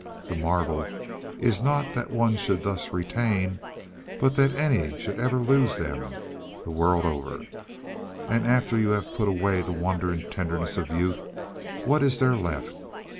The marvel is not that one should thus retain, but that any should ever lose them Go the world over, and after you have put away the wonder and tenderness of youth what is there left?